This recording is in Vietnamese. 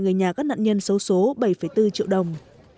người nhà các nạn nhân xấu số bảy bốn triệu đồng